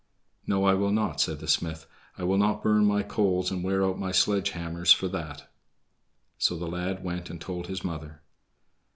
"No, I will not," said the smith; "I'll not burn my coals and wear out my sledge hammers for that." So the lad went and told his mother.